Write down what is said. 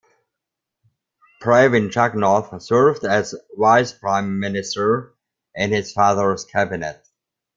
Pravind Jugnauth served as Vice Prime Minister in his father's cabinet.